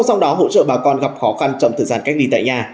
sau đó hỗ trợ bà con gặp khó khăn trong thời gian cách ly tại nhà